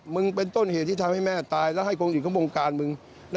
มึงเป็นต้นเหตุที่ทำให้แม่อะตายแล้วให้คนอื่นของงการมึงได้ยังไง